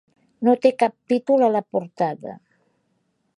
No té cap títol a la portada.